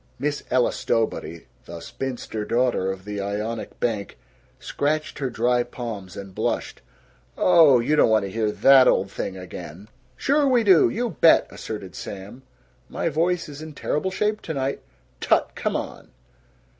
Miss Ella Stowbody, the spinster daughter of the Ionic bank, scratched her dry palms and blushed. "Oh, you don't want to hear that old thing again." "Sure we do! You bet!" asserted Sam. "My voice is in terrible shape tonight." "Tut! Come on!"